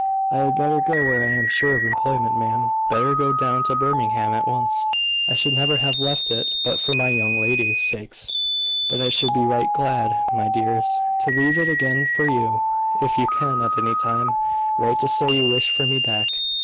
"I had better go where I am sure of employment, ma'am. Better go down to Birmingham at once. I should never have left it but for my young ladies' sakes. But I should be right glad, my dears, to leave it again for you, if you can at any time write to say you wish for me back.